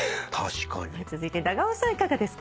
続いて長尾さんいかがですか？